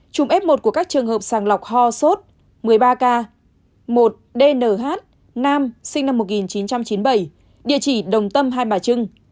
chùm f một của các trường hợp sàng lọc ho sốt một mươi ba ca một dnh nam sinh năm một nghìn chín trăm chín mươi bảy địa chỉ đồng tâm hai bà trưng